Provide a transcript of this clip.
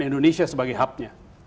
indonesia sebagai hubnya